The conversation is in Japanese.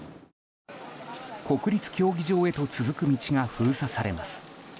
国立競技場へと続く道が封鎖されます。